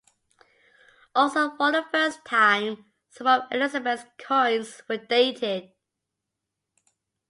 Also for the first time some of Elizabeth's coins were dated.